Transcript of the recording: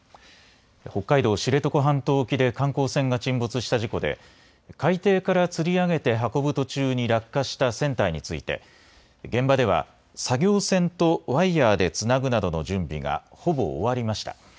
北海道・知床半島沖で観光船が沈没した事故で海底からつり上げて運ぶ途中に落下した船体について現場では作業船とワイヤーでつなぐなどの準備がほぼ終わりました。